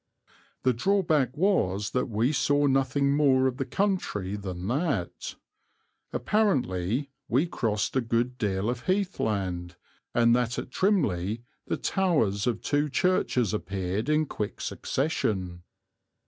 The drawback was that we saw nothing more of the country than that, apparently, we crossed a good deal of heathland, and that at Trimley the towers of two churches appeared in quick succession.